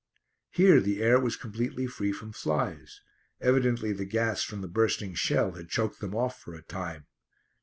Here the air was completely free from flies. Evidently the gas from the bursting shell had choked them off for a time.